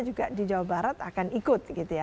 juga di jawa barat akan ikut